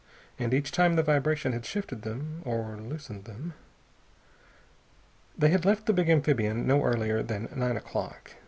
And each time the vibration had shifted them, or loosened them.... They had left the big amphibian no earlier than nine o'clock.